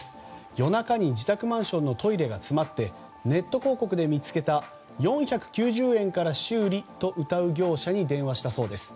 夜中に自宅マンションのトイレが詰まってネット広告で見つけた４９０円から修理とうたう業者に電話したそうです。